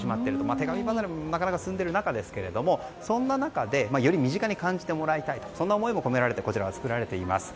手紙離れが進んでいる中ですけどそんな中で、より身近に感じてもらいたいというそんな思いも込められてこちらは作られています。